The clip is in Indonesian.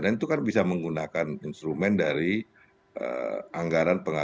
dan itu kan bisa menggunakan instrumen dari anggaran pengaruh